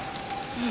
うん。